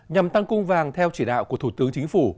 nhằm tăng cung vàng theo chỉ đạo của thủ tướng chính phủ